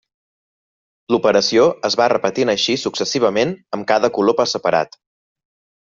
L'operació es va repetint així successivament amb cada color per separat.